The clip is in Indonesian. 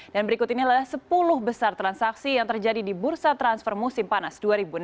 dan berikut inilah sepuluh besar transaksi yang terjadi di bursa transfer musim panas dua ribu enam belas